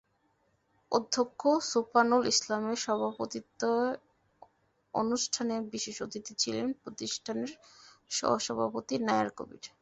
অধ্যক্ষ সোপানুল ইসলামের সভাপতিত্বেঅনুষ্ঠানে বিশেষ অতিথি ছিলেন প্রতিষ্ঠানের সহসভাপতি নায়ার কবির।